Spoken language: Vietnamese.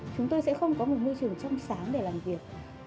chúng tôi sẽ không có một môi trường trong sáng để làm việc